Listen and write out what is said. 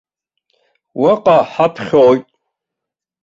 Уаҟа ҳаԥхьоит.